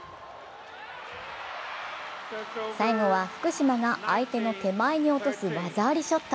最後は福島が相手の手前に落とす技ありショット。